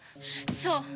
そう！